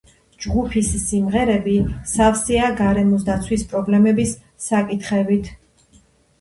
ჯგუფის სიმღერები სავსეა გარემოს დაცვის პრობლემების საკითხებით.